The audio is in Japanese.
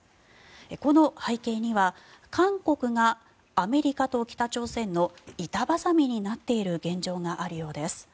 この背景には韓国がアメリカと北朝鮮の板挟みになっている現状があるようです。